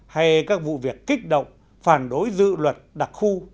hay các vụ việc kích động phản đối dự luật đặc khu